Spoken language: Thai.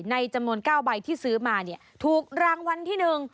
ในจำนวน๙ใบที่ซื้อมาถูกรางวัลที่๑